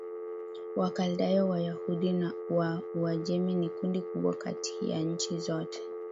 Wakaldayo Wayahudi wa Uajemi ni kundi kubwa kati ya nchi zote